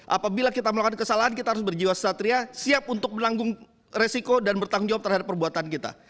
apabila kita melakukan kesalahan kita harus berjiwa satria siap untuk menanggung resiko dan bertanggung jawab terhadap perbuatan kita